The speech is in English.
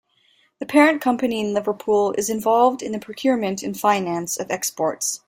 The parent company in Liverpool is involved in the procurement and finance of exports.